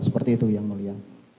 seperti itu yang mulia